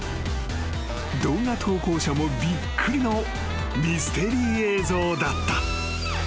［動画投稿者もびっくりのミステリー映像だった］